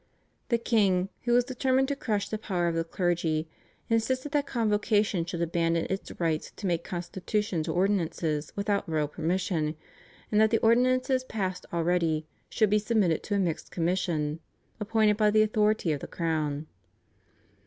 The king, who was determined to crush the power of the clergy, insisted that Convocation should abandon its right to make constitutions or ordinances without royal permission, and that the ordinances passed already should be submitted to a mixed commission appointed by the authority of the crown.